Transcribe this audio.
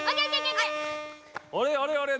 あれあれあれ？